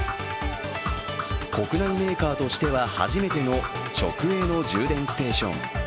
国内メーカーとしては初めての直営の充電ステーション。